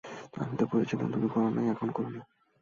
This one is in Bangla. আমি তো করছিলাম, তুমি করো নাই, এখন করে নাও!